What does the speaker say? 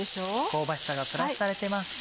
香ばしさがプラスされてます。